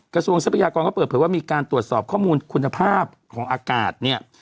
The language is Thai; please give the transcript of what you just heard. กระทรวงทรัพยากรก็เปิดเผยว่ามีการตรวจสอบข้อมูลคุณภาพของอากาศ